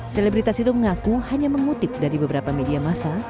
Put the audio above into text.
selebritas itu mengaku hanya mengutip dari beberapa media masa